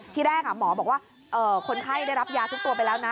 ที่แรกหมอบอกว่าคนไข้ได้รับยาทุกตัวไปแล้วนะ